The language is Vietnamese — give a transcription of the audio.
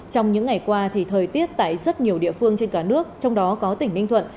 trong những ngày qua thì thời tiết tại rất nhiều địa phương trên cả nước trong đó có tỉnh ninh thuận